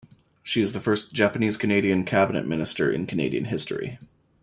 She is the first Japanese-Canadian cabinet minister in Canadian history.